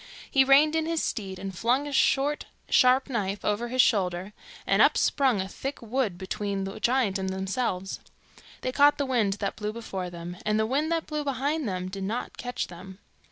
He reined in his steed, and flung a short, sharp knife over his shoulder, and up sprung a thick wood between the giant and themselves. They caught the wind that blew before them, and the wind that blew behind them did not catch them.